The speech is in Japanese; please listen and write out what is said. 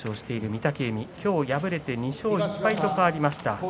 御嶽海、今日敗れて２勝１敗と変わりました。